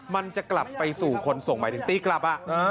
มันจะกลับไปสู่คนส่งหมายถึงตีกลับ